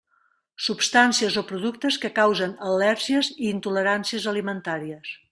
Substàncies o productes que causen al·lèrgies i intoleràncies alimentàries.